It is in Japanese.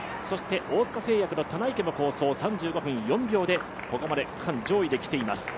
大塚製薬の棚池も３５分４秒でここまで区間上位で来ています。